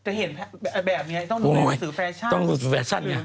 จะเห็นแบบนี้ต้องรู้หนังสือแฟชั่น